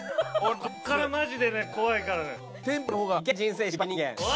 こっからマジでね怖いからね。